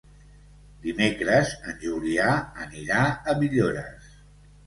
Dimecres en Julià anirà a Villores.